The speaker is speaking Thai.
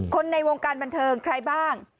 ในวงการบันเทิงใครบ้าง